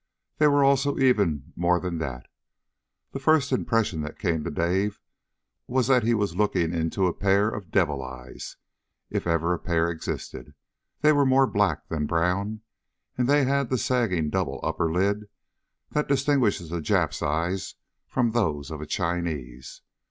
They were also even more than that. The first impression that came to Dave was that he was looking into a pair of devil's eyes, if ever a pair existed. They were more black than brown, and they had the sagging double upper lid that distinguishes a Jap's eyes from those of a Chinese.